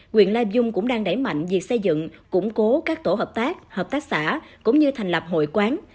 quyện la dung cũng đang đẩy mạnh việc xây dựng củng cố các tổ hợp tác hợp tác xã cũng như thành lập hội quán